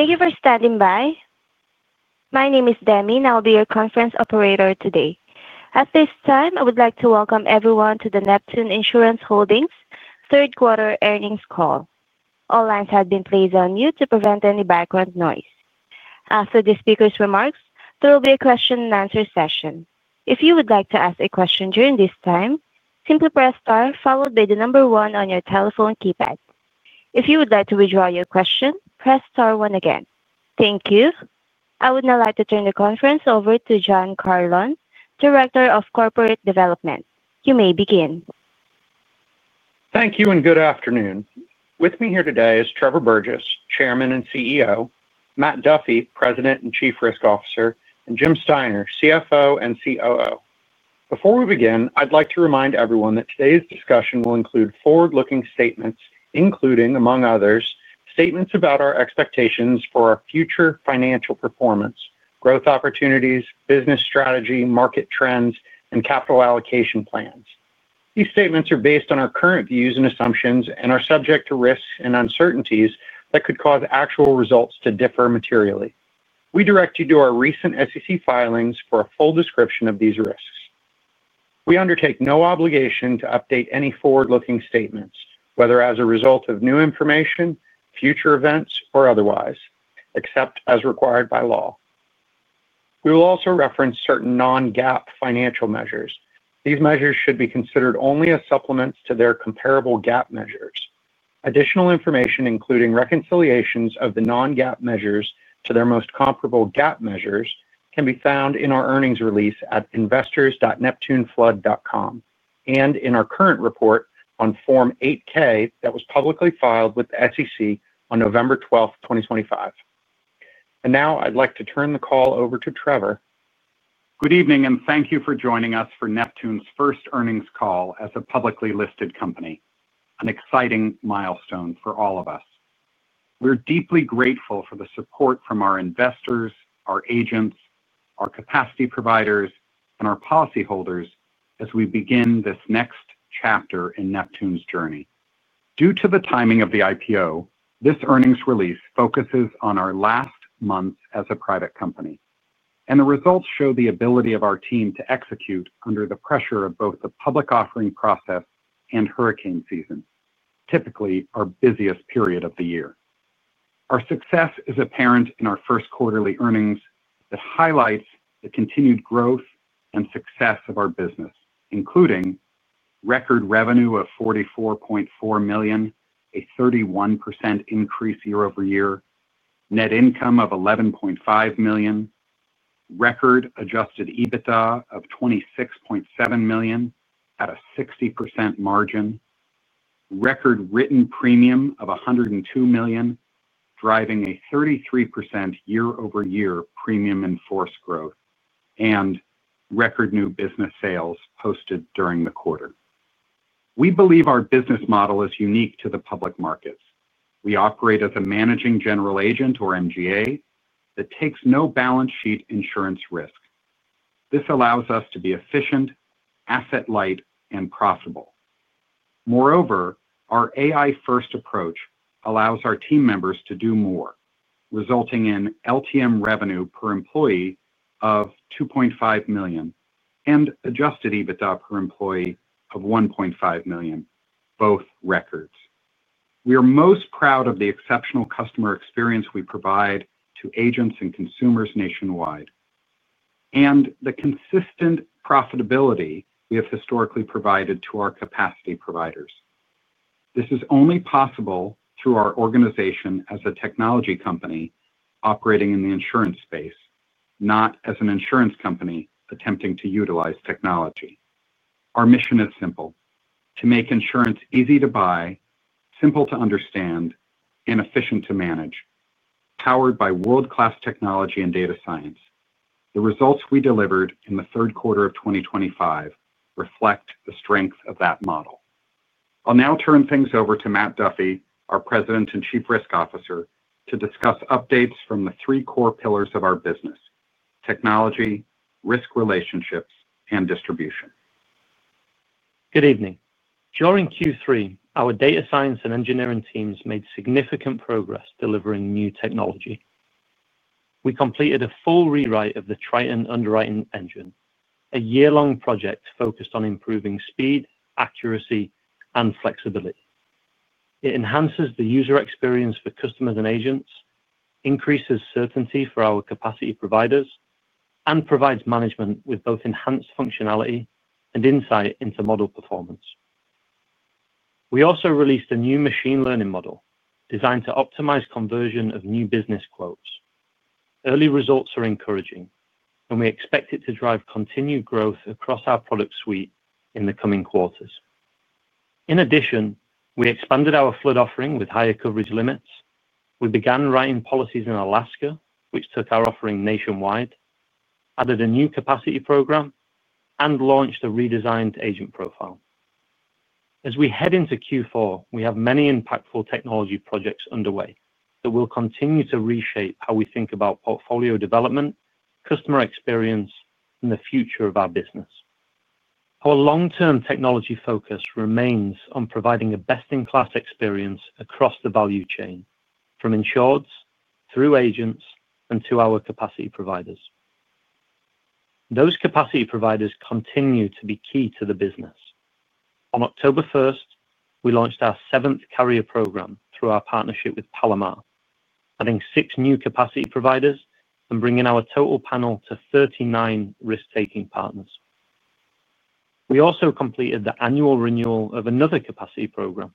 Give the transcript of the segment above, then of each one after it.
Thank you for standing by. My name is Demi, and I will be your conference operator today. At this time, I would like to welcome everyone to the Neptune Insurance Holdings' Third Quarter Earnings Call. All lines have been placed on mute to prevent any background noise. After the speaker's remarks, there will be a question-and-answer session. If you would like to ask a question during this time, simply press star followed by the number one on your telephone keypad. If you would like to withdraw your question, press star one again. Thank you. I would now like to turn the conference over to Jon Carlon, Director of Corporate Development. You may begin. Thank you, and good afternoon. With me here today is Trevor Burgess, Chairman and CEO; Matt Duffy, President and Chief Risk Officer; and Jim Steiner, CFO and COO. Before we begin, I'd like to remind everyone that today's discussion will include forward-looking statements, including, among others, statements about our expectations for our future financial performance, growth opportunities, business strategy, market trends, and capital allocation plans. These statements are based on our current views and assumptions and are subject to risks and uncertainties that could cause actual results to differ materially. We direct you to our recent SEC filings for a full description of these risks. We undertake no obligation to update any forward-looking statements, whether as a result of new information, future events, or otherwise, except as required by law. We will also reference certain non-GAAP financial measures. These measures should be considered only as supplements to their comparable GAAP measures. Additional information, including reconciliations of the non-GAAP measures to their most comparable GAAP measures, can be found in our earnings release at investors.neptuneflood.com and in our current report on Form 8-K that was publicly filed with the SEC on November 12, 2025. I would like to turn the call over to Trevor. Good evening, and thank you for joining us for Neptune's first earnings call as a publicly listed company. An exciting milestone for all of us. We're deeply grateful for the support from our investors, our agents, our capacity providers, and our policyholders as we begin this next chapter in Neptune's journey. Due to the timing of the IPO, this earnings release focuses on our last months as a private company, and the results show the ability of our team to execute under the pressure of both the public offering process and hurricane season, typically our busiest period of the year. Our success is apparent in our first quarterly earnings that highlight the continued growth and success of our business, including record revenue of $44.4 million, a 31% increase year over year, net income of $11.5 million, record adjusted EBITDA of $26.7 million at a 60% margin, record written premium of $102 million, driving a 33% year-over-year premium enforced growth, and record new business sales posted during the quarter. We believe our business model is unique to the public markets. We operate as a managing general agent, or MGA, that takes no balance sheet insurance risk. This allows us to be efficient, asset-light, and profitable. Moreover, our AI-first approach allows our team members to do more, resulting in LTM revenue per employee of $2.5 million and adjusted EBITDA per employee of $1.5 million, both records. We are most proud of the exceptional customer experience we provide to agents and consumers nationwide and the consistent profitability we have historically provided to our capacity providers. This is only possible through our organization as a technology company operating in the insurance space, not as an insurance company attempting to utilize technology. Our mission is simple: to make insurance easy to buy, simple to understand, and efficient to manage, powered by world-class technology and data science. The results we delivered in the third quarter of 2025 reflect the strength of that model. I'll now turn things over to Matt Duffy, our President and Chief Risk Officer, to discuss updates from the three core pillars of our business: technology, risk relationships, and distribution. Good evening. During Q3, our data science and engineering teams made significant progress delivering new technology. We completed a full rewrite of the Triton underwriting engine, a year-long project focused on improving speed, accuracy, and flexibility. It enhances the user experience for customers and agents, increases certainty for our capacity providers, and provides management with both enhanced functionality and insight into model performance. We also released a new machine learning model designed to optimize conversion of new business quotes. Early results are encouraging, and we expect it to drive continued growth across our product suite in the coming quarters. In addition, we expanded our flood offering with higher coverage limits. We began writing policies in Alaska, which took our offering nationwide, added a new capacity program, and launched a redesigned agent profile. As we head into Q4, we have many impactful technology projects underway that will continue to reshape how we think about portfolio development, customer experience, and the future of our business. Our long-term technology focus remains on providing a best-in-class experience across the value chain, from insureds through agents and to our capacity providers. Those capacity providers continue to be key to the business. On October 1st, we launched our seventh carrier program through our partnership with Palomar, adding six new capacity providers and bringing our total panel to 39 risk-taking partners. We also completed the annual renewal of another capacity program,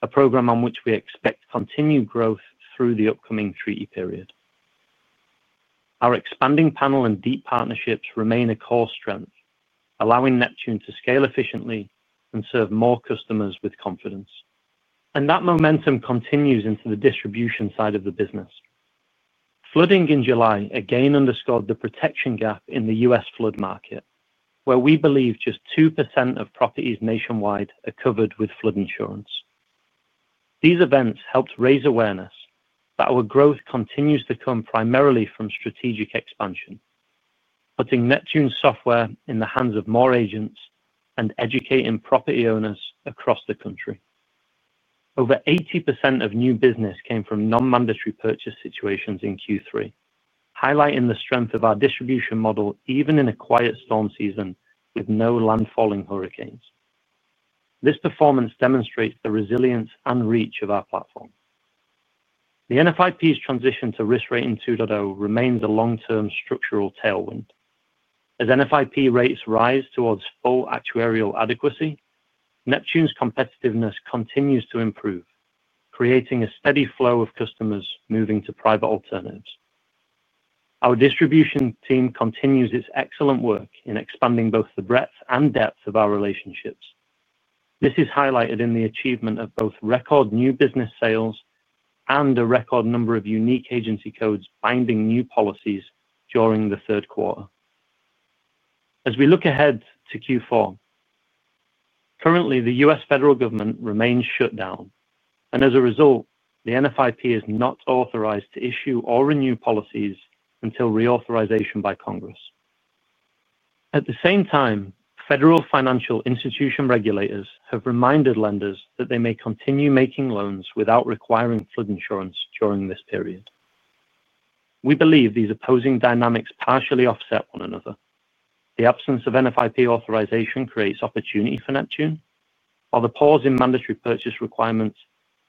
a program on which we expect continued growth through the upcoming treaty period. Our expanding panel and deep partnerships remain a core strength, allowing Neptune to scale efficiently and serve more customers with confidence. That momentum continues into the distribution side of the business. Flooding in July again underscored the protection gap in the U.S. flood market, where we believe just 2% of properties nationwide are covered with flood insurance. These events helped raise awareness that our growth continues to come primarily from strategic expansion, putting Neptune's software in the hands of more agents and educating property owners across the country. Over 80% of new business came from non-mandatory purchase situations in Q3, highlighting the strength of our distribution model even in a quiet storm season with no landfalling hurricanes. This performance demonstrates the resilience and reach of our platform. The NFIP's transition to Risk Rating 2.0 remains a long-term structural tailwind. As NFIP rates rise towards full actuarial adequacy, Neptune's competitiveness continues to improve, creating a steady flow of customers moving to private alternatives. Our distribution team continues its excellent work in expanding both the breadth and depth of our relationships. This is highlighted in the achievement of both record new business sales and a record number of unique agency codes binding new policies during the third quarter. As we look ahead to Q4, currently, the U.S. federal government remains shut down, and as a result, the NFIP is not authorized to issue or renew policies until reauthorization by Congress. At the same time, federal financial institution regulators have reminded lenders that they may continue making loans without requiring flood insurance during this period. We believe these opposing dynamics partially offset one another. The absence of NFIP authorization creates opportunity for Neptune, while the pause in mandatory purchase requirements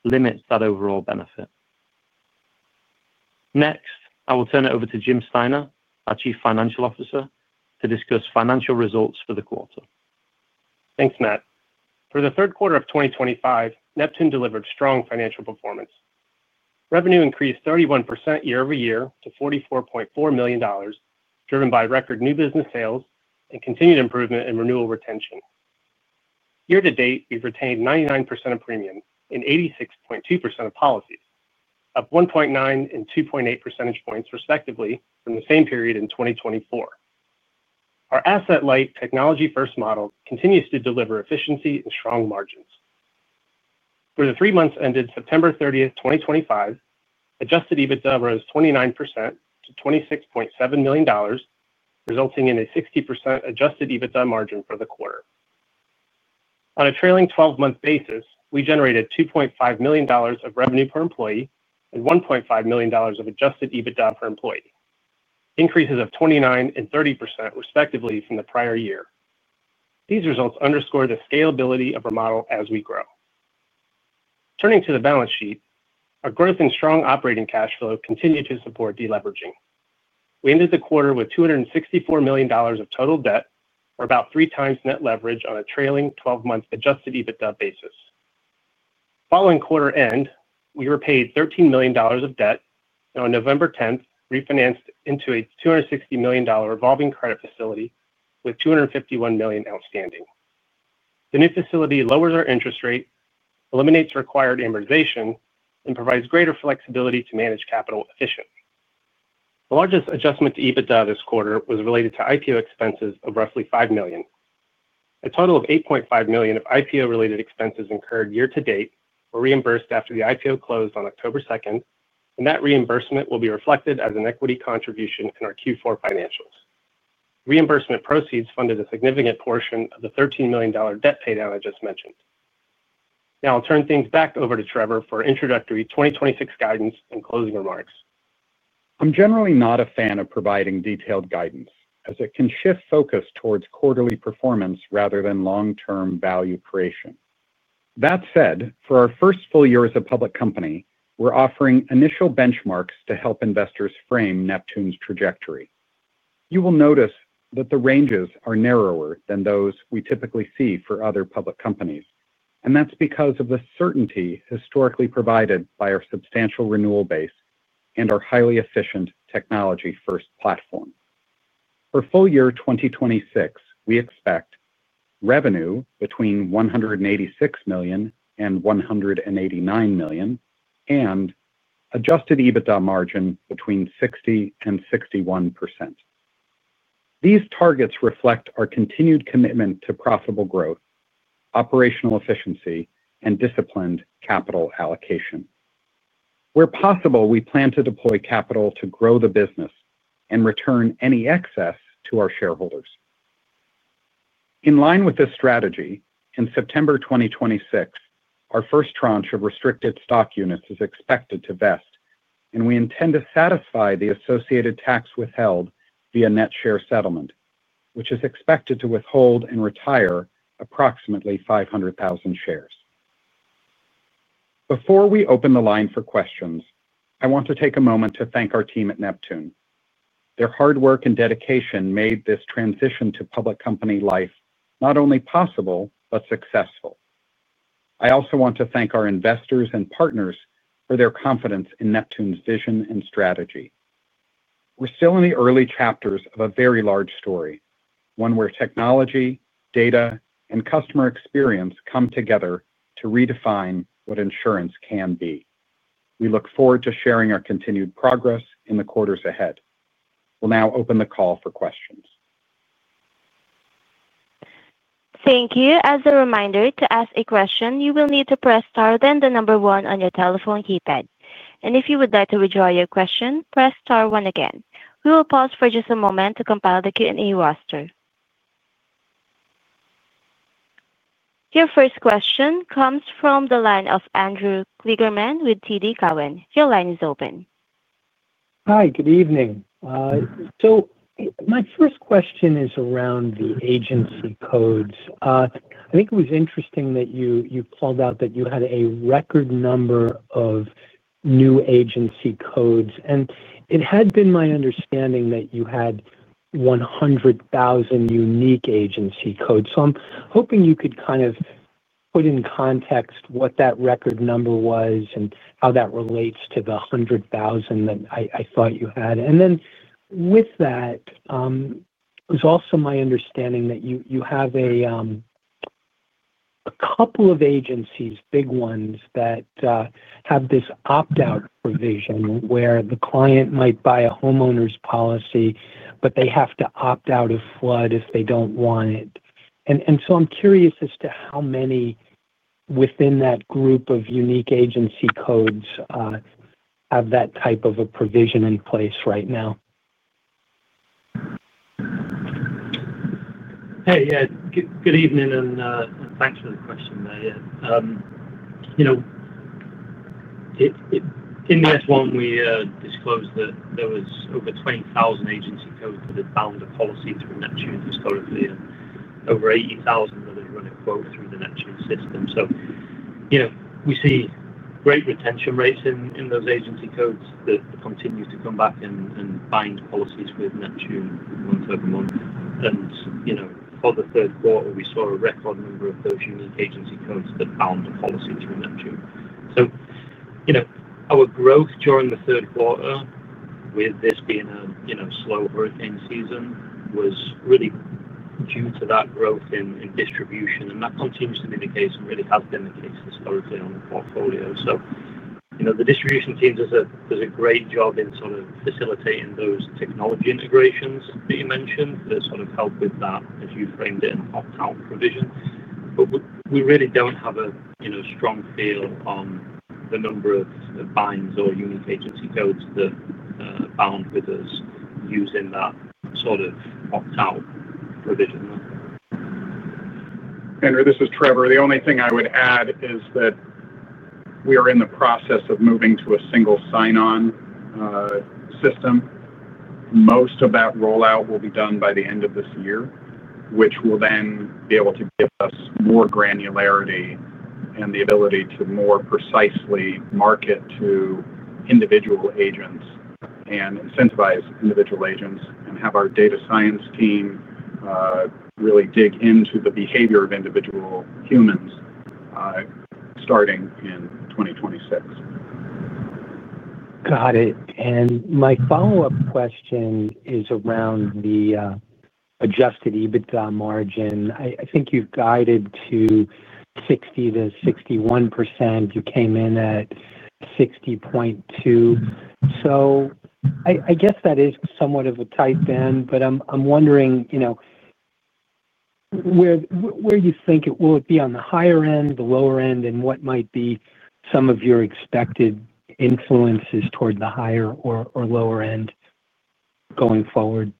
limits that overall benefit. Next, I will turn it over to Jim Steiner, our Chief Financial Officer, to discuss financial results for the quarter. Thanks, Matt. For the third quarter of 2025, Neptune delivered strong financial performance. Revenue increased 31% year-over-year to $44.4 million, driven by record new business sales and continued improvement in renewal retention. Year-to-date, we've retained 99% of premium and 86.2% of policies, up 1.9 and 2.8 percentage points, respectively, from the same period in 2024. Our asset-light, technology-first model continues to deliver efficiency and strong margins. For the three months ended September 30th, 2025, adjusted EBITDA rose 29% to $26.7 million, resulting in a 60% adjusted EBITDA margin for the quarter. On a trailing 12-month basis, we generated $2.5 million of revenue per employee and $1.5 million of adjusted EBITDA per employee, increases of 29% and 30%, respectively, from the prior year. These results underscore the scalability of our model as we grow. Turning to the balance sheet, our growth and strong operating cash flow continue to support deleveraging. We ended the quarter with $264 million of total debt, or about three times net leverage on a trailing 12-month adjusted EBITDA basis. Following quarter-end, we repaid $13 million of debt and, on November 10, refinanced into a $260 million revolving credit facility with $251 million outstanding. The new facility lowers our interest rate, eliminates required amortization, and provides greater flexibility to manage capital efficiently. The largest adjustment to EBITDA this quarter was related to IPO expenses of roughly $5 million. A total of $8.5 million of IPO-related expenses incurred year-to-date were reimbursed after the IPO closed on October 2nd, and that reimbursement will be reflected as an equity contribution in our Q4 financials. Reimbursement proceeds funded a significant portion of the $13 million debt paydown I just mentioned. Now, I'll turn things back over to Trevor for introductory 2026 guidance and closing remarks. I'm generally not a fan of providing detailed guidance, as it can shift focus towards quarterly performance rather than long-term value creation. That said, for our first full year as a public company, we're offering initial benchmarks to help investors frame Neptune's trajectory. You will notice that the ranges are narrower than those we typically see for other public companies, and that's because of the certainty historically provided by our substantial renewal base and our highly efficient technology-first platform. For full year 2026, we expect revenue between $186 million and $189 million and adjusted EBITDA margin between 60% and 61%. These targets reflect our continued commitment to profitable growth, operational efficiency, and disciplined capital allocation. Where possible, we plan to deploy capital to grow the business and return any excess to our shareholders. In line with this strategy, in September 2026, our first tranche of restricted stock units is expected to vest, and we intend to satisfy the associated tax withheld via net share settlement, which is expected to withhold and retire approximately 500,000 shares. Before we open the line for questions, I want to take a moment to thank our team at Neptune. Their hard work and dedication made this transition to public company life not only possible but successful. I also want to thank our investors and partners for their confidence in Neptune's vision and strategy. We're still in the early chapters of a very large story, one where technology, data, and customer experience come together to redefine what insurance can be. We look forward to sharing our continued progress in the quarters ahead. We'll now open the call for questions. Thank you. As a reminder, to ask a question, you will need to press star and the number one on your telephone keypad. If you would like to withdraw your question, press star one again. We will pause for just a moment to compile the Q&A roster. Your first question comes from the line of Andrew Kligerman with TD Cowen. Your line is open. Hi, good evening. My first question is around the agency codes. I think it was interesting that you called out that you had a record number of new agency codes. It had been my understanding that you had 100,000 unique agency codes. I'm hoping you could kind of put in context what that record number was and how that relates to the 100,000 that I thought you had. With that, it was also my understanding that you have a couple of agencies, big ones, that have this opt-out provision where the client might buy a homeowner's policy, but they have to opt out of flood if they do not want it. I'm curious as to how many within that group of unique agency codes have that type of a provision in place right now. Hey, yeah, good evening and thanks for the question there. In the F-1, we disclosed that there were over 20,000 agency codes that had bound a policy through Neptune historically and over 80,000 that had run a quote through the Neptune system. We see great retention rates in those agency codes that continue to come back and bind policies with Neptune month over month. For the third quarter, we saw a record number of those unique agency codes that bound a policy through Neptune. Our growth during the third quarter, with this being a slow hurricane season, was really due to that growth in distribution. That continues to be the case and really has been the case historically on the portfolio. The distribution teams do a great job in sort of facilitating those technology integrations that you mentioned that sort of help with that, as you framed it, an opt-out provision. We really do not have a strong feel on the number of binds or unique agency codes that bound with us using that sort of opt-out provision. Andrew, this is Trevor. The only thing I would add is that we are in the process of moving to a single sign-on system. Most of that rollout will be done by the end of this year, which will then be able to give us more granularity and the ability to more precisely market to individual agents and incentivize individual agents and have our data science team really dig into the behavior of individual humans starting in 2026. Got it. My follow-up question is around the adjusted EBITDA margin. I think you've guided to 60%-61%. You came in at 60.2%. I guess that is somewhat of a tight band, but I'm wondering where you think it will be on the higher end, the lower end, and what might be some of your expected influences toward the higher or lower end going forward?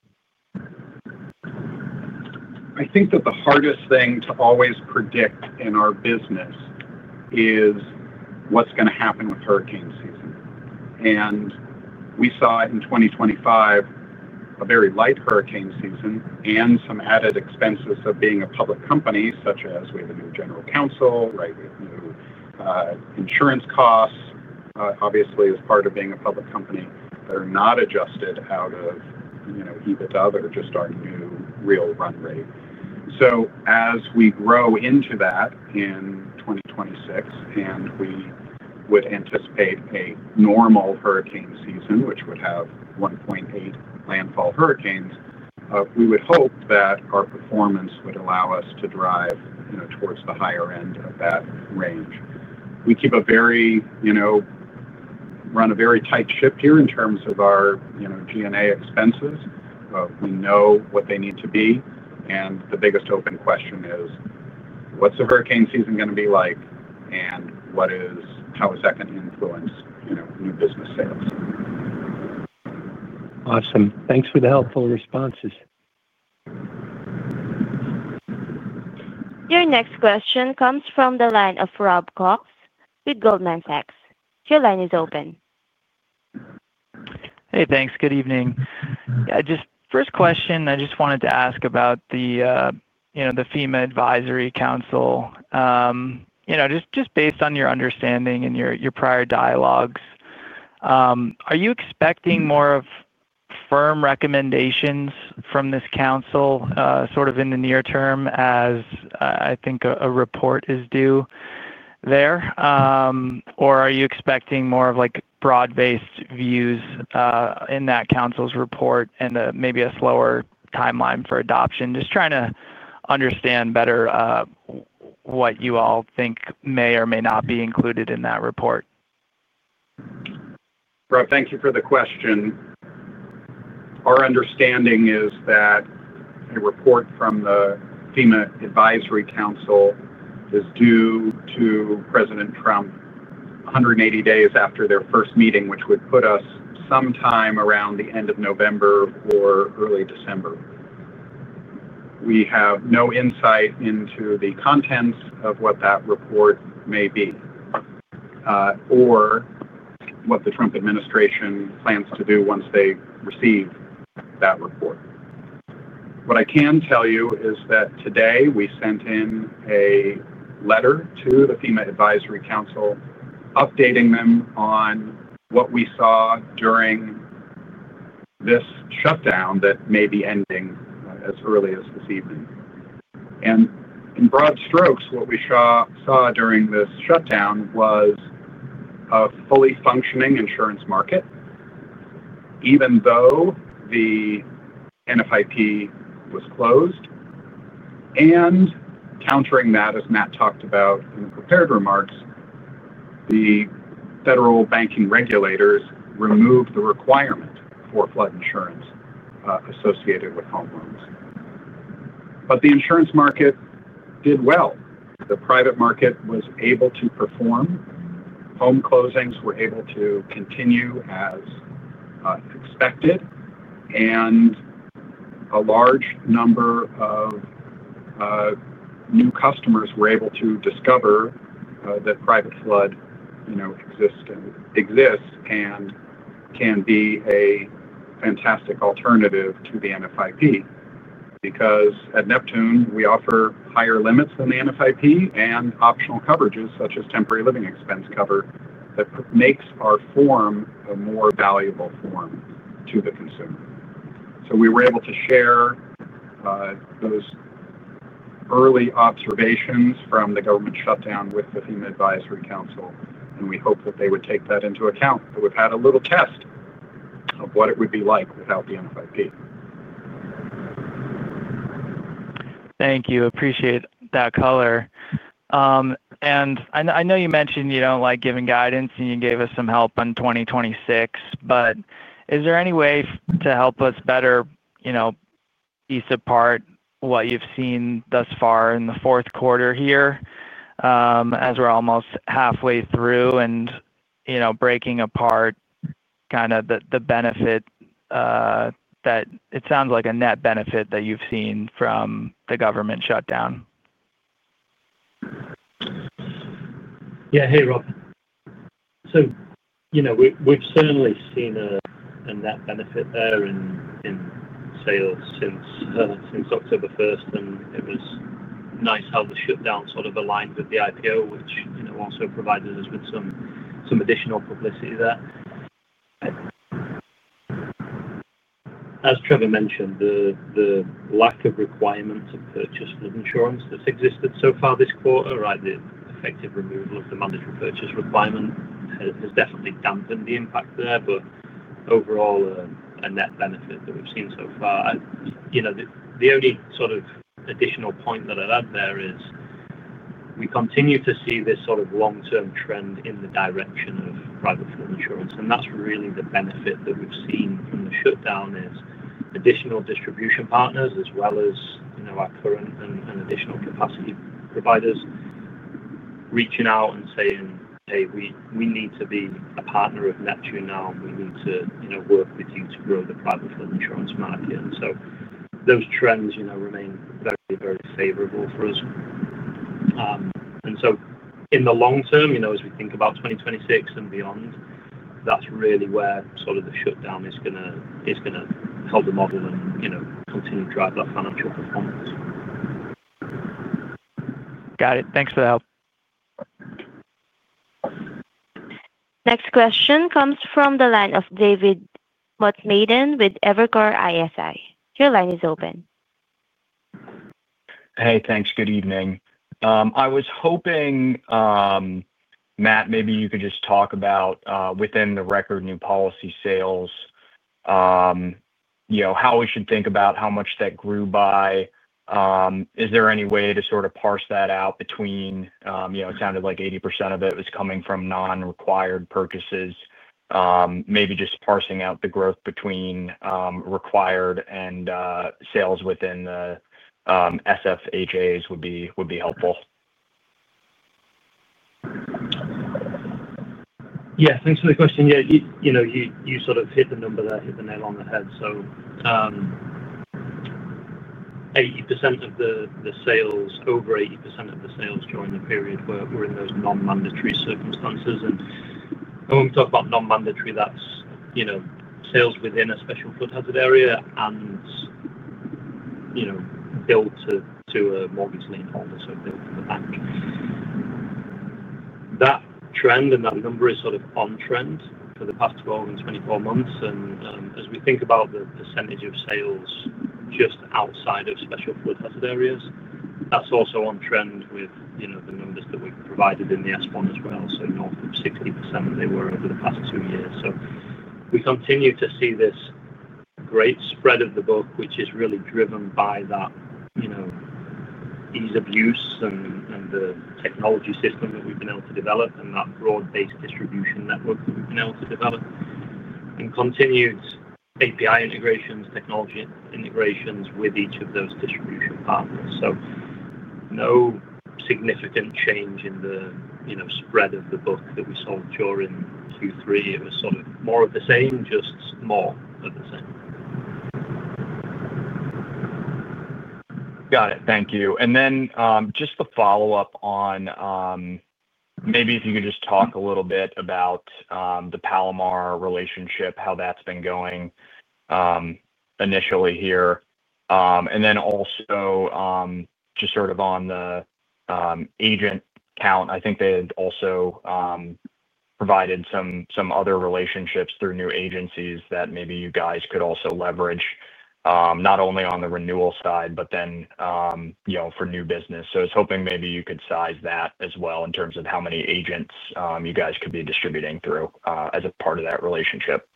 I think that the hardest thing to always predict in our business is what's going to happen with hurricane season. We saw in 2025 a very light hurricane season and some added expenses of being a public company, such as we have a new General Counsel, right? We have new insurance costs, obviously, as part of being a public company that are not adjusted out of EBITDA or just our new real run rate. As we grow into that in 2026, and we would anticipate a normal hurricane season, which would have 1.8 landfall hurricanes, we would hope that our performance would allow us to drive towards the higher end of that range. We keep a very, run a very tight ship here in terms of our G&A expenses. We know what they need to be. The biggest open question is, what's the hurricane season going to be like, and how is that going to influence new business sales? Awesome. Thanks for the helpful responses. Your next question comes from the line of Rob Cox with Goldman Sachs. Your line is open. Hey, thanks. Good evening. Just first question, I just wanted to ask about the FEMA Advisory Council. Just based on your understanding and your prior dialogues, are you expecting more of firm recommendations from this council sort of in the near term as I think a report is due there? Or are you expecting more of broad-based views in that council's report and maybe a slower timeline for adoption? Just trying to understand better what you all think may or may not be included in that report. Rob, thank you for the question. Our understanding is that a report from the FEMA Advisory Council is due to President Trump 180 days after their first meeting, which would put us sometime around the end of November or early December. We have no insight into the contents of what that report may be or what the Trump administration plans to do once they receive that report. What I can tell you is that today we sent in a letter to the FEMA Advisory Council updating them on what we saw during this shutdown that may be ending as early as this evening. In broad strokes, what we saw during this shutdown was a fully functioning insurance market, even though the NFIP was closed. Countering that, as Matt talked about in the prepared remarks, the federal banking regulators removed the requirement for flood insurance associated with home loans. The insurance market did well. The private market was able to perform. Home closings were able to continue as expected. A large number of new customers were able to discover that private flood exists and can be a fantastic alternative to the NFIP because at Neptune, we offer higher limits than the NFIP and optional coverages such as temporary living expense cover that makes our form a more valuable form to the consumer. We were able to share those early observations from the government shutdown with the FEMA Advisory Council, and we hope that they would take that into account. We have had a little test of what it would be like without the NFIP. Thank you. Appreciate that color. I know you mentioned you don't like giving guidance, and you gave us some help in 2026. Is there any way to help us better piece apart what you've seen thus far in the fourth quarter here as we're almost halfway through and breaking apart kind of the benefit that it sounds like a net benefit that you've seen from the government shutdown? Yeah. Hey, Rob. So we've certainly seen a net benefit there in sales since October 1st. It was nice how the shutdown sort of aligned with the IPO, which also provided us with some additional publicity there. As Trevor mentioned, the lack of requirement to purchase flood insurance that's existed so far this quarter, right, the effective removal of the mandatory purchase requirement has definitely dampened the impact there. Overall, a net benefit that we've seen so far. The only sort of additional point that I'd add there is we continue to see this sort of long-term trend in the direction of private flood insurance. That is really the benefit that we have seen from the shutdown: additional distribution partners as well as our current and additional capacity providers reaching out and saying, "Hey, we need to be a partner of Neptune now, and we need to work with you to grow the private flood insurance market." Those trends remain very, very favorable for us. In the long term, as we think about 2026 and beyond, that is really where the shutdown is going to help the model and continue to drive that financial performance. Got it. Thanks for the help. Next question comes from the line of David Motemaden with Evercore ISI. Your line is open. Hey, thanks. Good evening. I was hoping, Matt, maybe you could just talk about within the record new policy sales, how we should think about how much that grew by. Is there any way to sort of parse that out between it sounded like 80% of it was coming from non-required purchases? Maybe just parsing out the growth between required and sales within the SFHAs would be helpful. Yeah. Thanks for the question. Yeah, you sort of hit the nail on the head. 80% of the sales, over 80% of the sales during the period were in those non-mandatory circumstances. When we talk about non-mandatory, that's sales within a special flood hazard area and billed to a mortgage lienholder, so billed to the bank. That trend and that number is sort of on trend for the past 12 and 24 months. As we think about the percentage of sales just outside of special flood hazard areas, that's also on trend with the numbers that we've provided in the F-1 as well. North of 60% they were over the past two years. We continue to see this great spread of the book, which is really driven by that ease of use and the technology system that we have been able to develop and that broad-based distribution network that we have been able to develop and continued API integrations, technology integrations with each of those distribution partners. No significant change in the spread of the book that we sold during Q3. It was sort of more of the same, just more of the same. Got it. Thank you. And then just to follow up on, maybe if you could just talk a little bit about the Palomar relationship, how that's been going initially here. And then also just sort of on the agent count, I think they had also provided some other relationships through new agencies that maybe you guys could also leverage not only on the renewal side, but then for new business. I was hoping maybe you could size that as well in terms of how many agents you guys could be distributing through as a part of that relationship.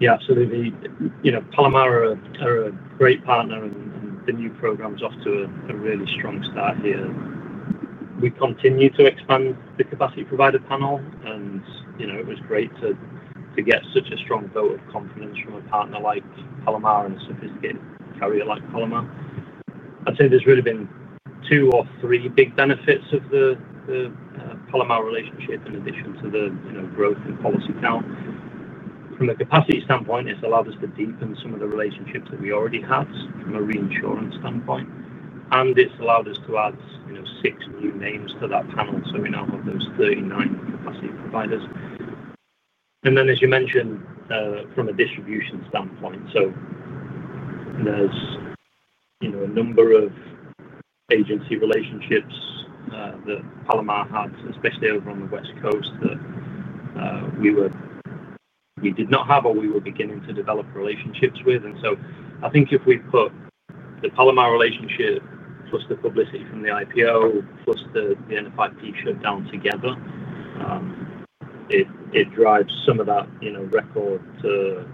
Yeah. Palomar are a great partner. The new program's off to a really strong start here. We continue to expand the capacity provider panel. It was great to get such a strong vote of confidence from a partner like Palomar and a sophisticated carrier like Palomar. I'd say there's really been two or three big benefits of the Palomar relationship in addition to the growth in policy count. From a capacity standpoint, it's allowed us to deepen some of the relationships that we already had from a reinsurance standpoint. It's allowed us to add six new names to that panel. We now have those 39 capacity providers. As you mentioned, from a distribution standpoint, there's a number of agency relationships that Palomar had, especially over on the West Coast, that we did not have or we were beginning to develop relationships with. I think if we put the Palomar relationship plus the publicity from the IPO plus the NFIP shutdown together, it drives some of that record to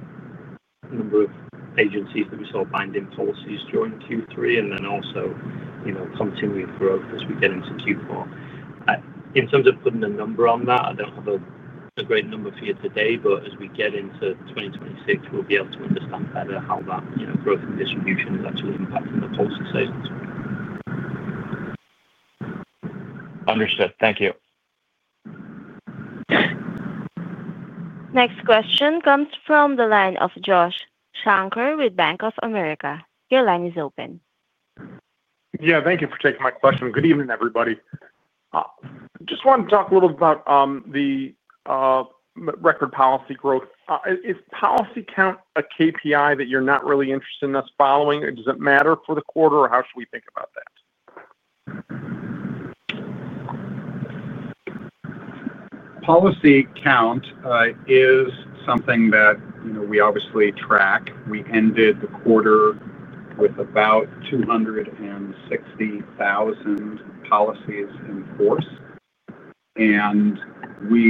the number of agencies that we saw binding policies during Q3 and then also continued growth as we get into Q4. In terms of putting a number on that, I do not have a great number for you today. As we get into 2026, we will be able to understand better how that growth and distribution is actually impacting the policy sales. Understood. Thank you. Next question comes from the line of Josh Shanker with Bank of America. Your line is open. Yeah. Thank you for taking my question. Good evening, everybody. Just wanted to talk a little about the record policy growth. Is policy count a KPI that you're not really interested in us following? Does it matter for the quarter, or how should we think about that? Policy count is something that we obviously track. We ended the quarter with about 260,000 policies in force. We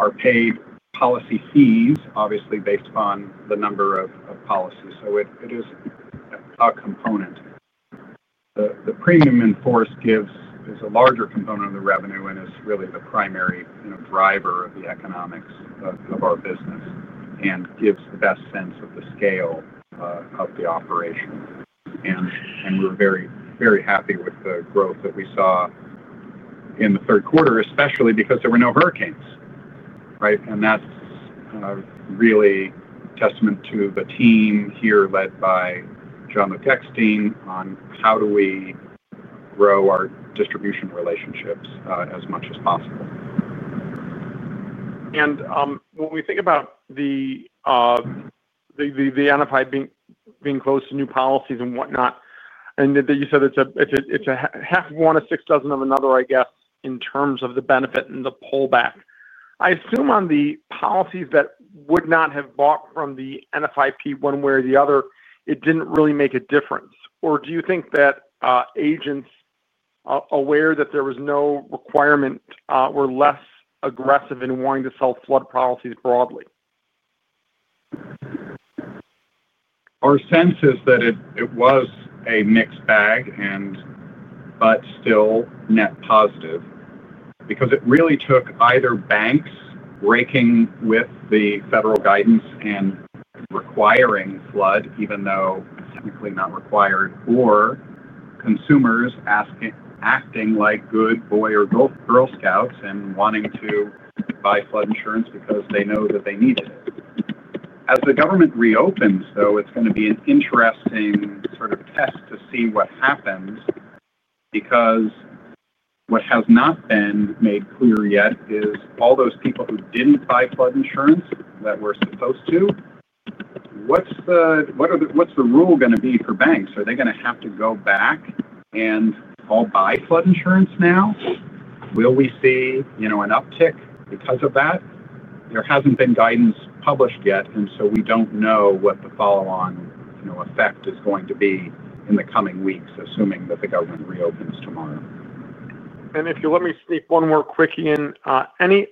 are paid policy fees, obviously, based upon the number of policies. It is a component. The premium in force is a larger component of the revenue and is really the primary driver of the economics of our business and gives the best sense of the scale of the operation. We are very, very happy with the growth that we saw in the third quarter, especially because there were no hurricanes, right? That is really a testament to the team here led by John McEntee on how do we grow our distribution relationships as much as possible. When we think about the NFIP being closed to new policies and whatnot, and you said it's a half one of six dozen of another, I guess, in terms of the benefit and the pullback, I assume on the policies that would not have bought from the NFIP one way or the other, it did not really make a difference. Do you think that agents aware that there was no requirement were less aggressive in wanting to sell flood policies broadly? Our sense is that it was a mixed bag, but still net positive because it really took either banks breaking with the federal guidance and requiring flood, even though technically not required, or consumers acting like good boy or girl scouts and wanting to buy flood insurance because they know that they need it. As the government reopens, though, it's going to be an interesting sort of test to see what happens because what has not been made clear yet is all those people who did not buy flood insurance that were supposed to, what's the rule going to be for banks? Are they going to have to go back and all buy flood insurance now? Will we see an uptick because of that? There hasn't been guidance published yet, and so we don't know what the follow-on effect is going to be in the coming weeks, assuming that the government reopens tomorrow. If you'll let me sneak one more quick in, any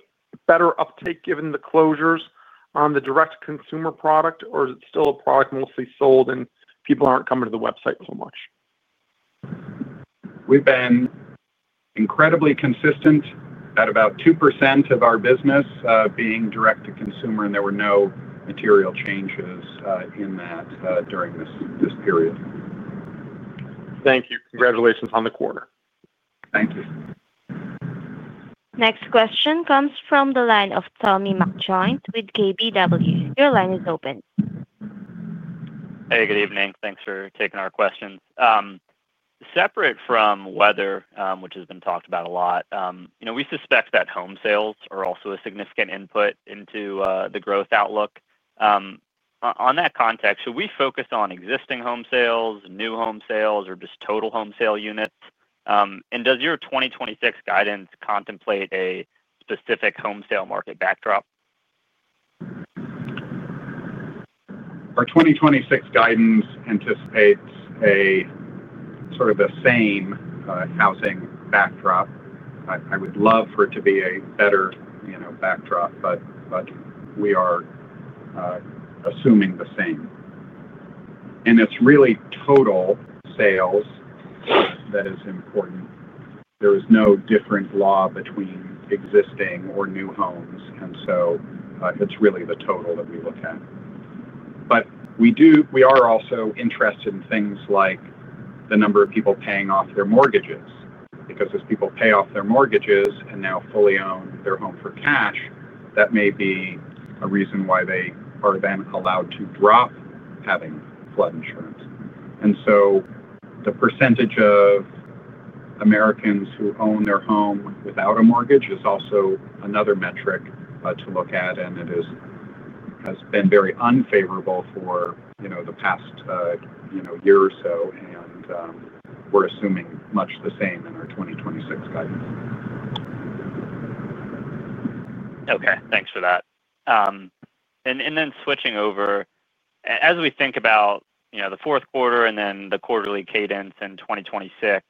better uptake given the closures on the direct-to-consumer product, or is it still a product mostly sold and people aren't coming to the website so much? We've been incredibly consistent at about 2% of our business being direct-to-consumer, and there were no material changes in that during this period. Thank you. Congratulations on the quarter. Thank you. Next question comes from the line of Tommy McJoynt with KBW. Your line is open. Hey, good evening. Thanks for taking our questions. Separate from weather, which has been talked about a lot, we suspect that home sales are also a significant input into the growth outlook. In that context, should we focus on existing home sales, new home sales, or just total home sale units? Does your 2026 guidance contemplate a specific home sale market backdrop? Our 2026 guidance anticipates sort of the same housing backdrop. I would love for it to be a better backdrop, but we are assuming the same. It is really total sales that is important. There is no different law between existing or new homes. It is really the total that we look at. We are also interested in things like the number of people paying off their mortgages because as people pay off their mortgages and now fully own their home for cash, that may be a reason why they are then allowed to drop having flood insurance. The percentage of Americans who own their home without a mortgage is also another metric to look at. It has been very unfavorable for the past year or so. We are assuming much the same in our 2026 guidance. Okay. Thanks for that. Then switching over, as we think about the fourth quarter and then the quarterly cadence in 2026,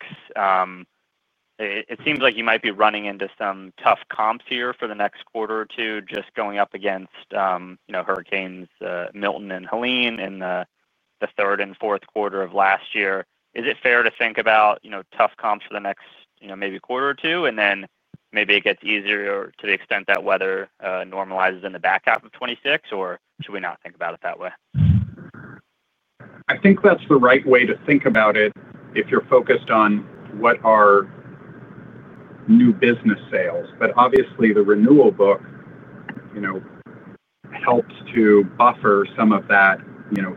it seems like you might be running into some tough comps here for the next quarter or two, just going up against hurricanes Milton and Helene in the third and fourth quarter of last year. Is it fair to think about tough comps for the next maybe quarter or two, and then maybe it gets easier to the extent that weather normalizes in the back half of 2026, or should we not think about it that way? I think that's the right way to think about it if you're focused on what are new business sales. Obviously, the renewal book helps to buffer some of that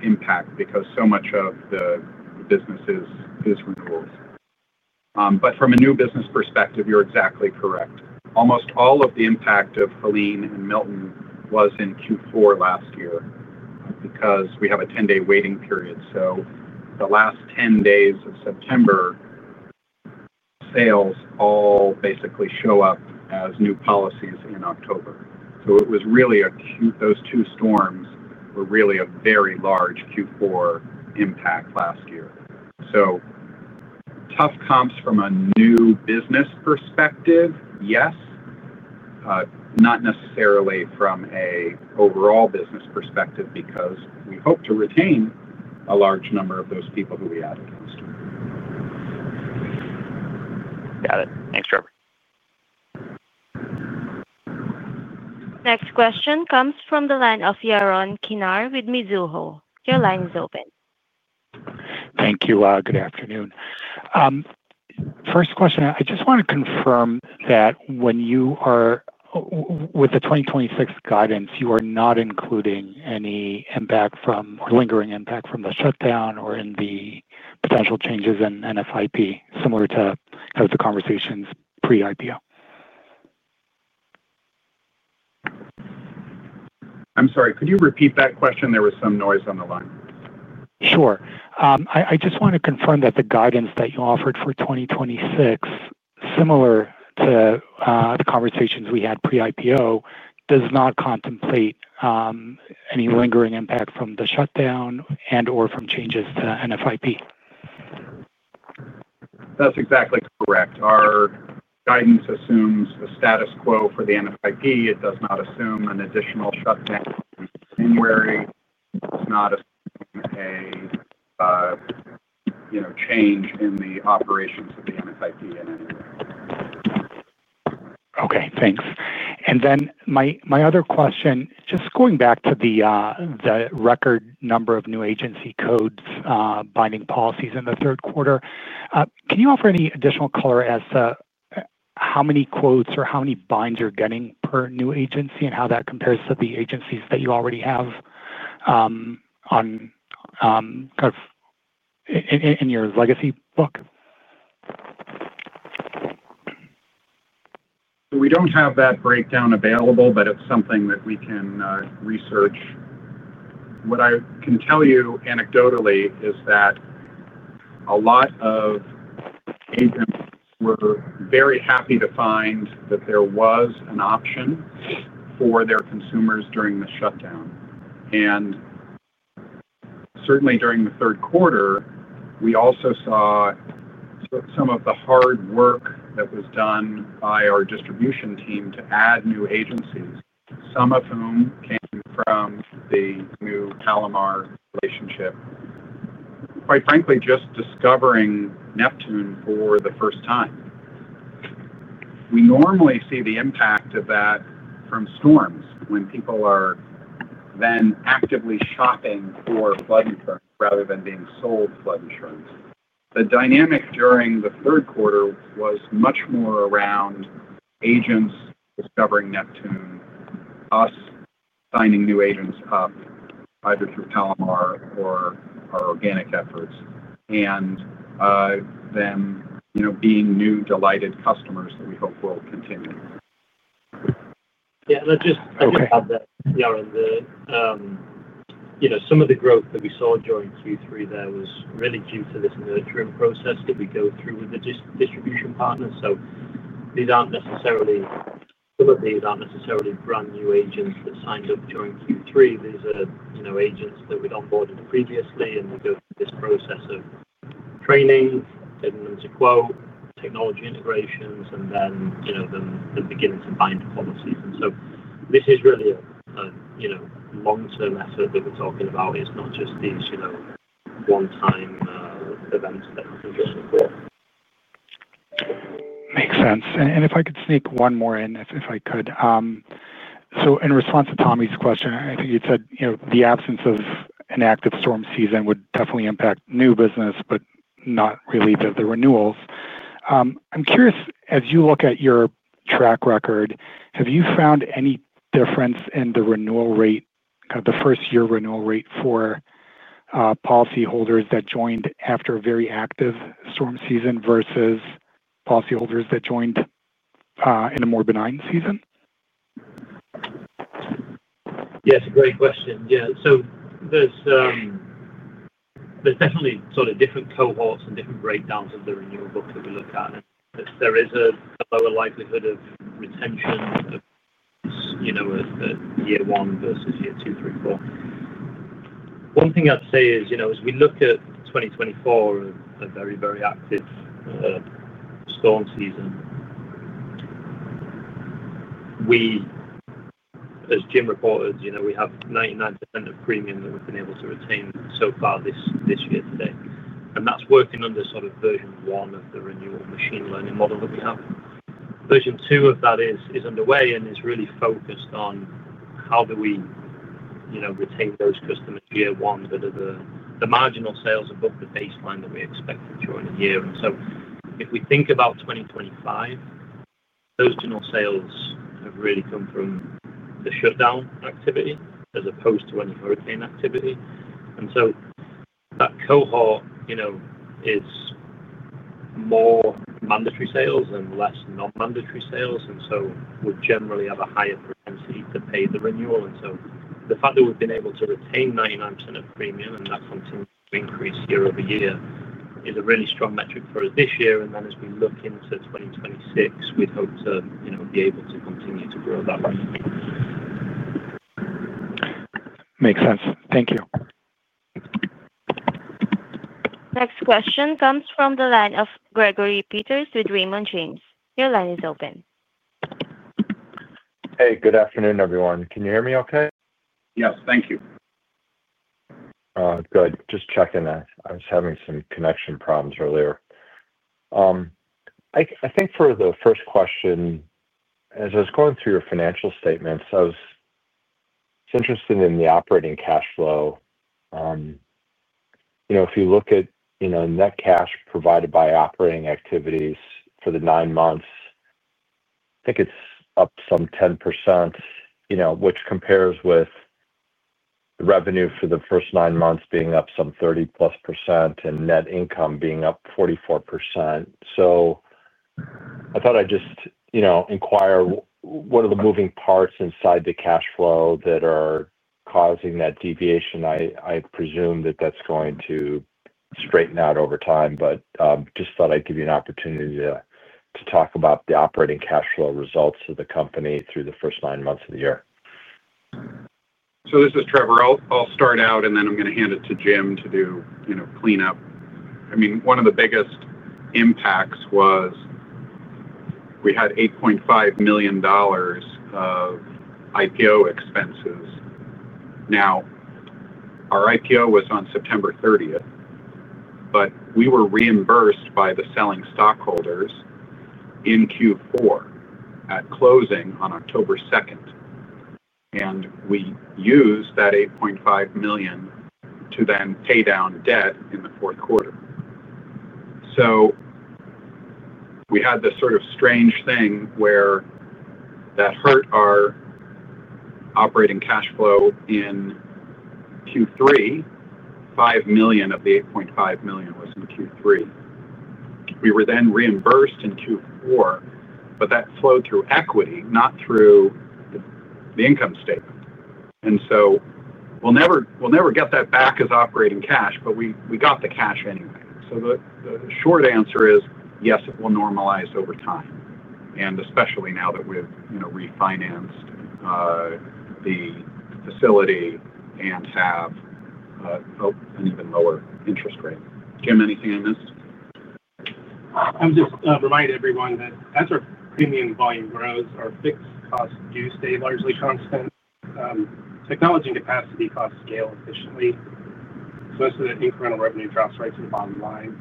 impact because so much of the business is renewals. From a new business perspective, you're exactly correct. Almost all of the impact of Helene and Milton was in Q4 last year because we have a 10-day waiting period. The last 10 days of September, sales all basically show up as new policies in October. It was really those two storms were really a very large Q4 impact last year. Tough comps from a new business perspective, yes, not necessarily from an overall business perspective because we hope to retain a large number of those people who we added last year. Got it. Thanks, Trevor. Next question comes from the line of Yaron Kinar with Mizuho. Your line is open. Thank you. Good afternoon. First question, I just want to confirm that when you are with the 2026 guidance, you are not including any impact from or lingering impact from the shutdown or in the potential changes in NFIP similar to kind of the conversations pre-IPO? I'm sorry. Could you repeat that question? There was some noise on the line. Sure. I just want to confirm that the guidance that you offered for 2026, similar to the conversations we had pre-IPO, does not contemplate any lingering impact from the shutdown and/or from changes to NFIP. That's exactly correct. Our guidance assumes the status quo for the NFIP. It does not assume an additional shutdown in January. It does not assume a change in the operations of the NFIP in any way. Okay. Thanks. My other question, just going back to the record number of new agency codes binding policies in the third quarter, can you offer any additional color as to how many quotes or how many binds you're getting per new agency and how that compares to the agencies that you already have on kind of in your legacy book? We don't have that breakdown available, but it's something that we can research. What I can tell you anecdotally is that a lot of agents were very happy to find that there was an option for their consumers during the shutdown. Certainly during the third quarter, we also saw some of the hard work that was done by our distribution team to add new agencies, some of whom came from the new Palomar relationship, quite frankly, just discovering Neptune for the first time. We normally see the impact of that from storms when people are then actively shopping for flood insurance rather than being sold flood insurance. The dynamic during the third quarter was much more around agents discovering Neptune, us signing new agents up either through Palomar or our organic efforts, and then being new delighted customers that we hope will continue. Yeah. Let's just add that, Yaron, that some of the growth that we saw during Q3, though, was really due to this nurturing process that we go through with the distribution partners. So these aren't necessarily, some of these aren't necessarily brand new agents that signed up during Q3. These are agents that we'd onboarded previously, and we go through this process of training, getting them to quote, technology integrations, and then beginning to bind policies. This is really a long-term effort that we're talking about. It's not just these one-time events that happen during the quarter. Makes sense. If I could sneak one more in, if I could. In response to Tommy's question, I think you said the absence of an active storm season would definitely impact new business, but not really the renewals. I'm curious, as you look at your track record, have you found any difference in the renewal rate, kind of the first-year renewal rate for policyholders that joined after a very active storm season versus policyholders that joined in a more benign season? Yes. Great question. Yeah. So there's definitely sort of different cohorts and different breakdowns of the renewal book that we look at. There is a lower likelihood of retention of year one versus year two, three, four. One thing I'd say is, as we look at 2024, a very, very active storm season, as Jim reported, we have 99% of premium that we've been able to retain so far this year today. That's working under sort of version one of the renewal machine learning model that we have. Version two of that is underway and is really focused on how do we retain those customers year one that are the marginal sales above the baseline that we expected during the year. If we think about 2025, those sales have really come from the shutdown activity as opposed to any hurricane activity. That cohort is more mandatory sales and less non-mandatory sales. We generally have a higher propensity to pay the renewal. The fact that we have been able to retain 99% of premium and that continues to increase year over year is a really strong metric for us this year. As we look into 2026, we would hope to be able to continue to grow that. Makes sense. Thank you. Next question comes from the line of Gregory Peters with Raymond James. Your line is open. Hey, good afternoon, everyone. Can you hear me okay? Yes. Thank you. Good. Just checking that. I was having some connection problems earlier. I think for the first question, as I was going through your financial statements, I was interested in the operating cash flow. If you look at net cash provided by operating activities for the nine months, I think it's up some 10%, which compares with revenue for the first nine months being up some 30%+ and net income being up 44%. I thought I'd just inquire what are the moving parts inside the cash flow that are causing that deviation. I presume that that's going to straighten out over time, but just thought I'd give you an opportunity to talk about the operating cash flow results of the company through the first nine months of the year. This is Trevor. I'll start out, and then I'm going to hand it to Jim to do cleanup. I mean, one of the biggest impacts was we had $8.5 million of IPO expenses. Now, our IPO was on September 30th, but we were reimbursed by the selling stockholders in Q4 at closing on October 2nd. We used that $8.5 million to then pay down debt in the fourth quarter. We had this sort of strange thing where that hurt our operating cash flow in Q3. $5 million of the $8.5 million was in Q3. We were then reimbursed in Q4, but that flowed through equity, not through the income statement. We will never get that back as operating cash, but we got the cash anyway. The short answer is, yes, it will normalize over time, and especially now that we have refinanced the facility and have an even lower interest rate. Jim, anything I missed? I would just remind everyone that as our premium volume grows, our fixed costs do stay largely constant. Technology and capacity costs scale efficiently. Most of the incremental revenue drops right to the bottom line.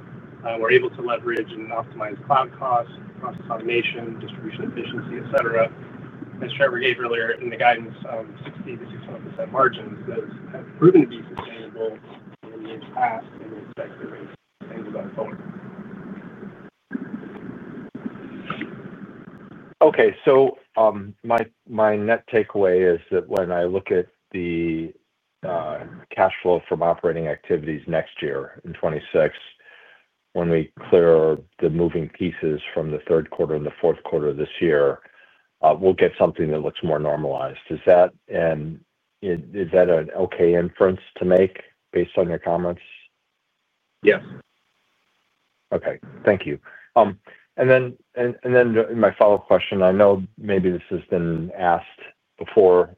We're able to leverage and optimize cloud costs, process automation, distribution efficiency, etc. As Trevor gave earlier in the guidance, 60%-65% margins have proven to be sustainable in the years past, and we expect to rate sustainable going forward. Okay. So my net takeaway is that when I look at the cash flow from operating activities next year in 2026, when we clear the moving pieces from the third quarter and the fourth quarter of this year, we'll get something that looks more normalized. Is that an okay inference to make based on your comments? Yes. Okay. Thank you. Then my follow-up question, I know maybe this has been asked before,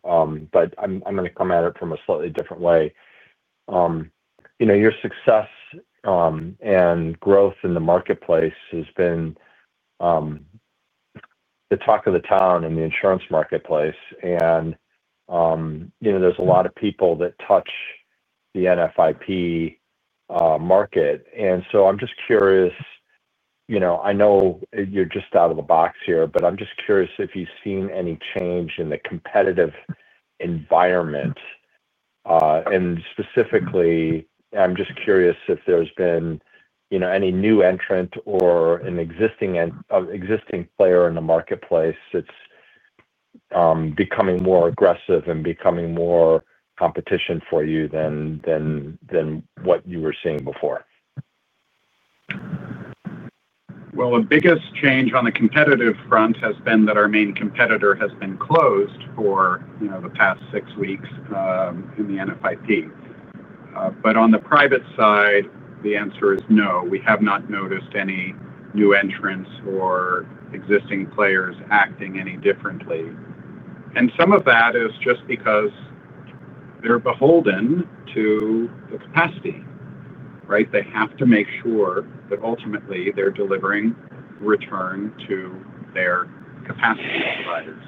but I'm going to come at it from a slightly different way. Your success and growth in the marketplace has been the talk of the town in the insurance marketplace. There's a lot of people that touch the NFIP market. I'm just curious, I know you're just out of the box here, but I'm just curious if you've seen any change in the competitive environment. Specifically, I'm just curious if there's been any new entrant or an existing player in the marketplace that's becoming more aggressive and becoming more competition for you than what you were seeing before. The biggest change on the competitive front has been that our main competitor has been closed for the past six weeks in the NFIP. On the private side, the answer is no. We have not noticed any new entrants or existing players acting any differently. Some of that is just because they're beholden to the capacity, right? They have to make sure that ultimately they're delivering return to their capacity providers.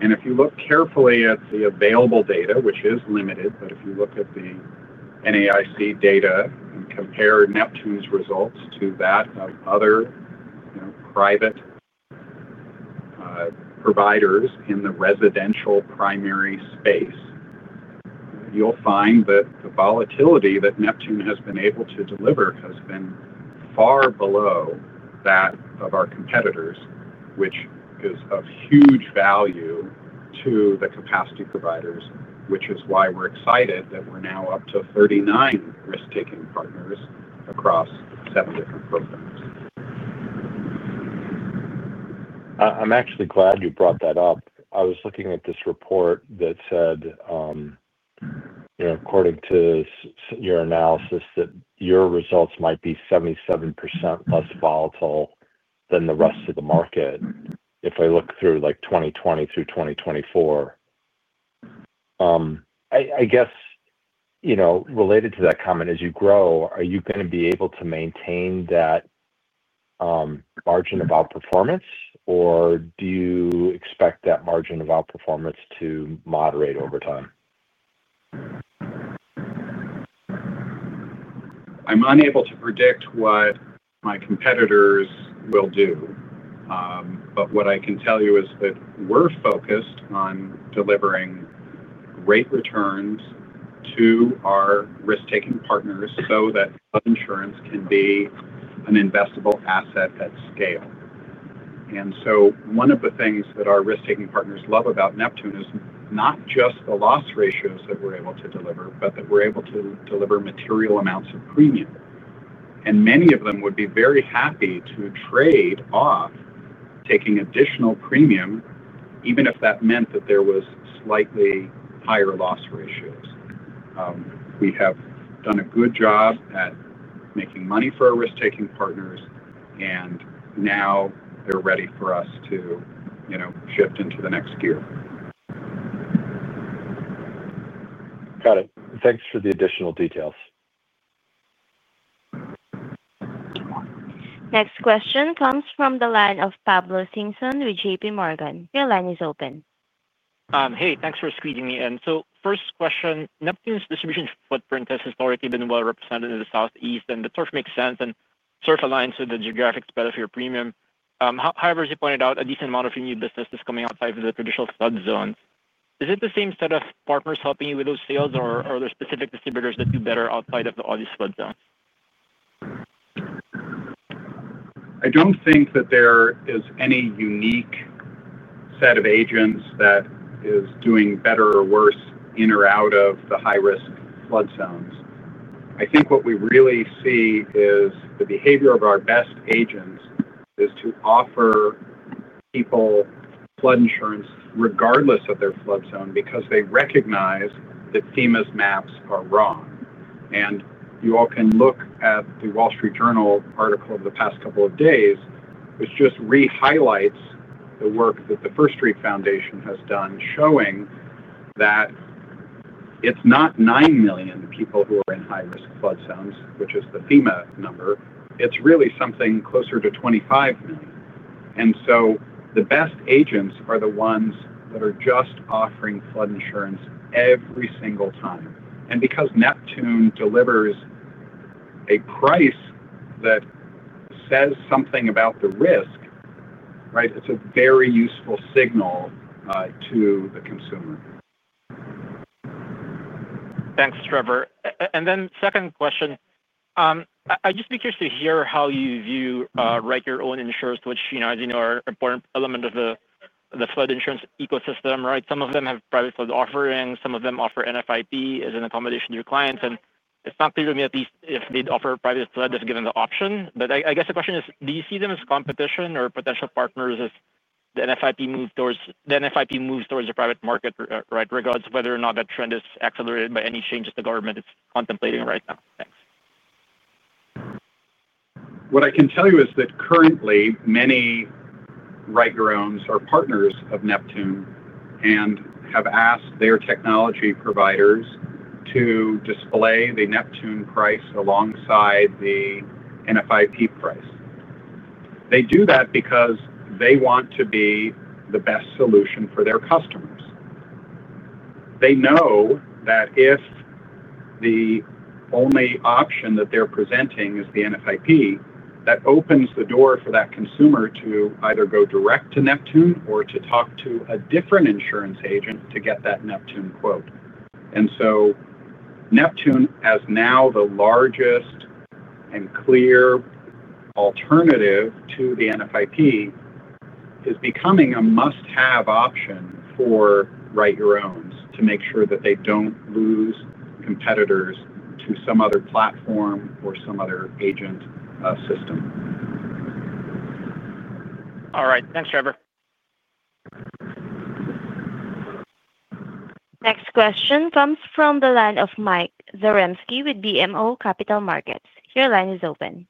If you look carefully at the available data, which is limited, but if you look at the NAIC data and compare Neptune's results to that of other private providers in the residential primary space, you'll find that the volatility that Neptune has been able to deliver has been far below that of our competitors, which is of huge value to the capacity providers, which is why we're excited that we're now up to 39 risk-taking partners across seven different programs. I'm actually glad you brought that up. I was looking at this report that said, according to your analysis, that your results might be 77% less volatile than the rest of the market if I look through 2020 through 2024. I guess related to that comment, as you grow, are you going to be able to maintain that margin of outperformance, or do you expect that margin of outperformance to moderate over time? I'm unable to predict what my competitors will do, but what I can tell you is that we're focused on delivering great returns to our risk-taking partners so that insurance can be an investable asset at scale. One of the things that our risk-taking partners love about Neptune is not just the loss ratios that we're able to deliver, but that we're able to deliver material amounts of premium. Many of them would be very happy to trade off taking additional premium, even if that meant that there was slightly higher loss ratios. We have done a good job at making money for our risk-taking partners, and now they're ready for us to shift into the next gear. Got it. Thanks for the additional details. Next question comes from the line of Pablo Singson with JP Morgan. Your line is open. Hey, thanks for squeezing me in. First question, Neptune's distribution footprint has historically been well represented in the Southeast, and that sort of makes sense. It sort of aligns with the geographic spread of your premium. However, as you pointed out, a decent amount of your new business is coming outside of the traditional flood zones. Is it the same set of partners helping you with those sales, or are there specific distributors that do better outside of the obvious flood zone? I do not think that there is any unique set of agents that is doing better or worse in or out of the high-risk flood zones. I think what we really see is the behavior of our best agents is to offer people flood insurance regardless of their flood zone because they recognize that FEMA's maps are wrong. You all can look at the Wall Street Journal article of the past couple of days, which just re-highlights the work that the First Street Foundation has done, showing that it is not 9 million people who are in high-risk flood zones, which is the FEMA number. It is really something closer to 25 million. The best agents are the ones that are just offering flood insurance every single time. Because Neptune delivers a price that says something about the risk, right, it is a very useful signal to the consumer. Thanks, Trevor. Then second question, I'd just be curious to hear how you view your own insurance, which, as you know, are an important element of the flood insurance ecosystem, right? Some of them have private flood offerings. Some of them offer NFIP as an accommodation to your clients. It's not clear to me, at least, if they'd offer private flood if given the option. I guess the question is, do you see them as competition or potential partners if the NFIP moves towards the private market, right, regardless of whether or not that trend is accelerated by any changes the government is contemplating right now? Thanks. What I can tell you is that currently, many Right Grounds are partners of Neptune and have asked their technology providers to display the Neptune price alongside the NFIP price. They do that because they want to be the best solution for their customers. They know that if the only option that they're presenting is the NFIP, that opens the door for that consumer to either go direct to Neptune or to talk to a different insurance agent to get that Neptune quote. Neptune, as now the largest and clear alternative to the NFIP, is becoming a must-have option for Right Grounds to make sure that they don't lose competitors to some other platform or some other agent system. All right. Thanks, Trevor. Next question comes from the line of Mike Zaremski with BMO Capital Markets. Your line is open.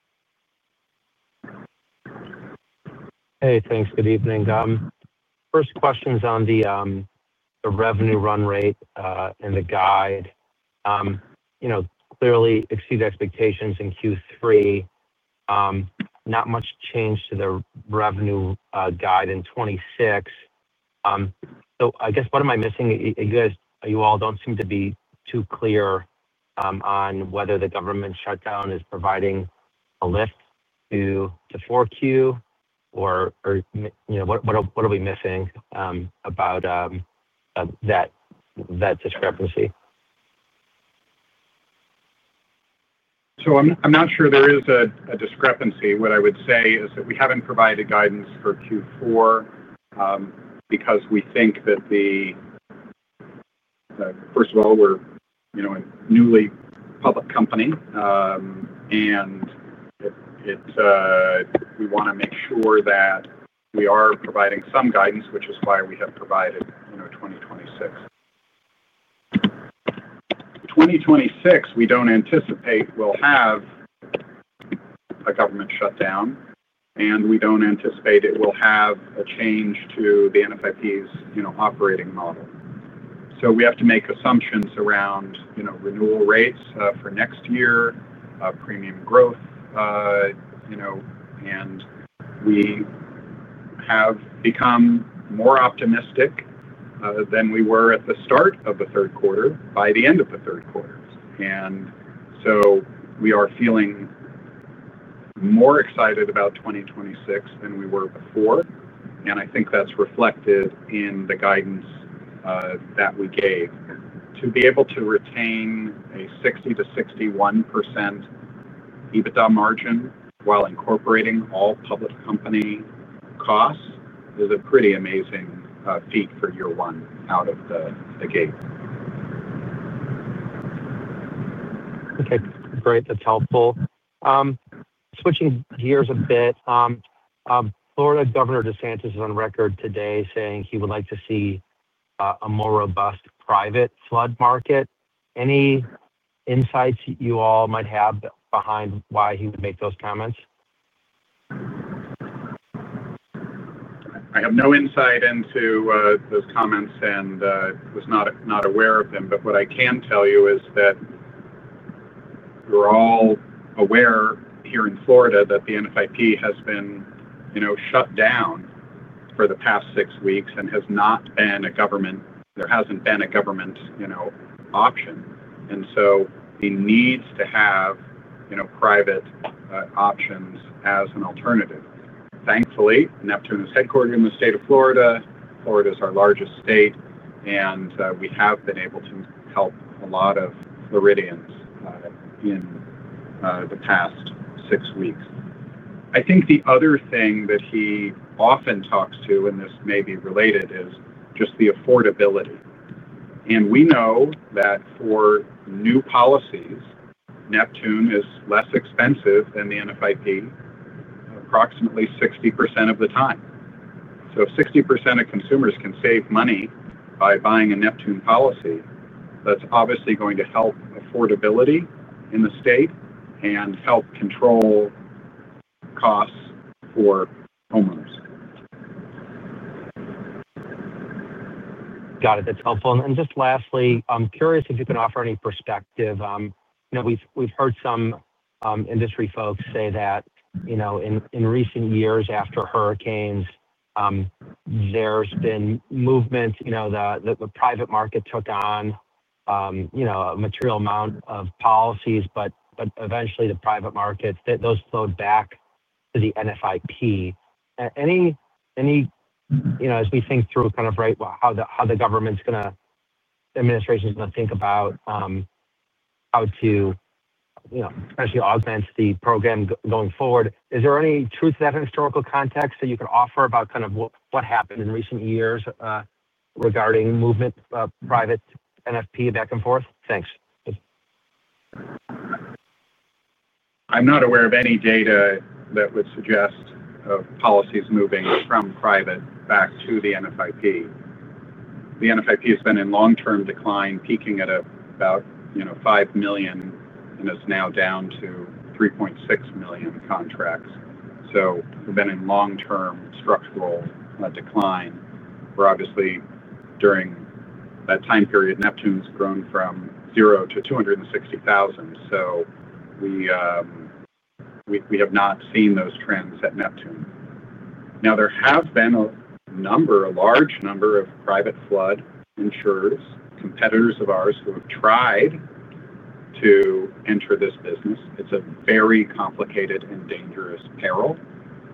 Hey, thanks. Good evening. First question is on the revenue run rate and the guide. Clearly, exceed expectations in Q3. Not much change to the revenue guide in 2026. I guess, what am I missing? You all do not seem to be too clear on whether the government shutdown is providing a lift to 4Q, or what are we missing about that discrepancy? I'm not sure there is a discrepancy. What I would say is that we haven't provided guidance for Q4 because we think that, first of all, we're a newly public company, and we want to make sure that we are providing some guidance, which is why we have provided 2026. 2026, we don't anticipate we'll have a government shutdown, and we don't anticipate it will have a change to the NFIP's operating model. We have to make assumptions around renewal rates for next year, premium growth, and we have become more optimistic than we were at the start of the third quarter, by the end of the third quarter. We are feeling more excited about 2026 than we were before. I think that's reflected in the guidance that we gave. To be able to retain a 60%-61% EBITDA margin while incorporating all public company costs is a pretty amazing feat for year one out of the gate. Okay. Great. That's helpful. Switching gears a bit, Florida Governor DeSantis is on record today saying he would like to see a more robust private flood market. Any insights you all might have behind why he would make those comments? I have no insight into those comments and was not aware of them. What I can tell you is that we're all aware here in Florida that the NFIP has been shut down for the past six weeks and has not been a government option. He needs to have private options as an alternative. Thankfully, Neptune is headquartered in the state of Florida. Florida is our largest state, and we have been able to help a lot of Floridians in the past six weeks. I think the other thing that he often talks to, and this may be related, is just the affordability. We know that for new policies, Neptune is less expensive than the NFIP approximately 60% of the time. If 60% of consumers can save money by buying a Neptune policy, that's obviously going to help affordability in the state and help control costs for homeowners. Got it. That's helpful. Just lastly, I'm curious if you can offer any perspective. We've heard some industry folks say that in recent years after hurricanes, there's been movement. The private market took on a material amount of policies, but eventually the private market, those flowed back to the NFIP. As we think through kind of how the government's going to, the administration's going to think about how to actually augment the program going forward, is there any truth to that historical context that you could offer about kind of what happened in recent years regarding movement of private NFIP back and forth? Thanks. I'm not aware of any data that would suggest policies moving from private back to the NFIP. The NFIP has been in long-term decline, peaking at about 5 million and is now down to 3.6 million contracts. We have been in long-term structural decline. Obviously, during that time period, Neptune's grown from 0 to 260,000. We have not seen those trends at Neptune. There has been a number, a large number of private flood insurers, competitors of ours who have tried to enter this business. It's a very complicated and dangerous peril,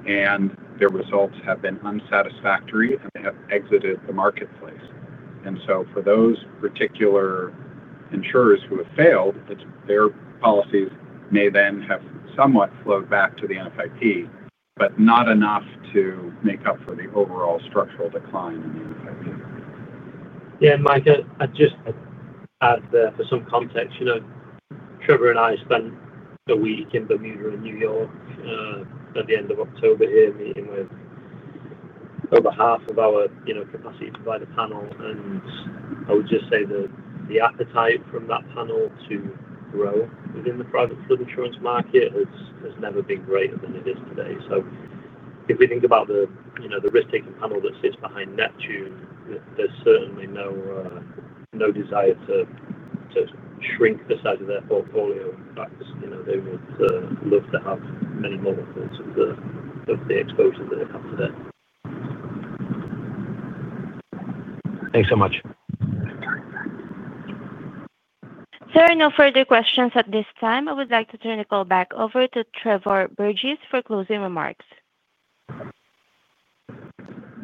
and their results have been unsatisfactory, and they have exited the marketplace. For those particular insurers who have failed, their policies may then have somewhat flowed back to the NFIP, but not enough to make up for the overall structural decline in the NFIP. Yeah. Mike, just to add there for some context, Trevor and I spent a week in Bermuda and New York at the end of October here, meeting with over half of our capacity provider panel. I would just say that the appetite from that panel to grow within the private flood insurance market has never been greater than it is today. If we think about the risk-taking panel that sits behind Neptune, there is certainly no desire to shrink the size of their portfolio. In fact, they would love to have many more of the exposure that they have today. Thanks so much. There are no further questions at this time. I would like to turn the call back over to Trevor Burgess for closing remarks.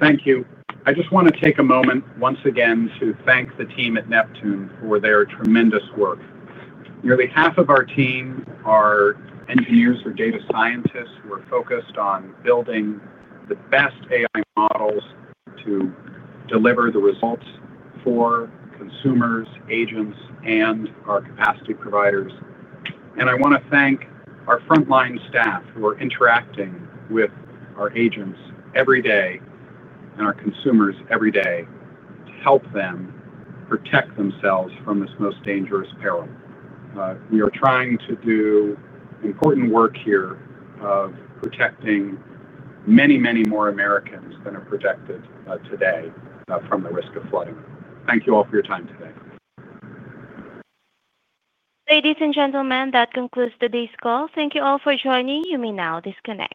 Thank you. I just want to take a moment once again to thank the team at Neptune for their tremendous work. Nearly half of our team are engineers or data scientists who are focused on building the best AI models to deliver the results for consumers, agents, and our capacity providers. I want to thank our frontline staff who are interacting with our agents every day and our consumers every day to help them protect themselves from this most dangerous peril. We are trying to do important work here of protecting many, many more Americans than are protected today from the risk of flooding. Thank you all for your time today. Ladies and gentlemen, that concludes today's call. Thank you all for joining. You may now disconnect.